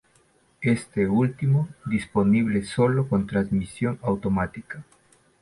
Este último disponible solo con transmisión automática.